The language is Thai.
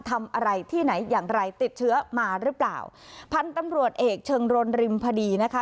ทำอะไรที่ไหนอย่างไรติดเชื้อมาหรือเปล่าพันธุ์ตำรวจเอกเชิงรนริมพดีนะคะ